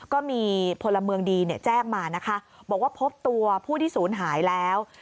ก็มีพลเมืองดีแจ้งมานะคะบอกว่าพบตัวผู้ที่ศูนย์หายแล้ว